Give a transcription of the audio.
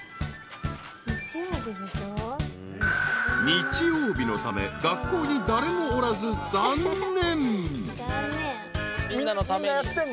［日曜日のため学校に誰もおらず残念］